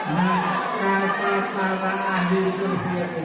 nah kata para ahli surabaya itu